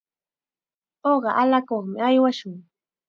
Uqa allakuqmi aywashun.